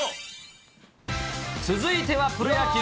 続いてはプロ野球。